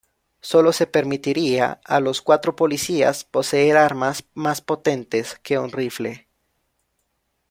Solo se permitiría a los Cuatro Policías poseer armas más potentes que un rifle.